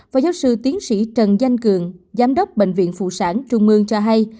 phó giáo sư tiến sĩ trần danh cường giám đốc bệnh viện phụ sản trung mương cho hay